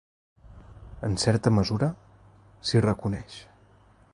En certa mesura, s'hi reconeix.